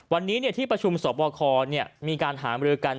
วันนี้ที่ประชุมสอบคอมีการหามรือกัน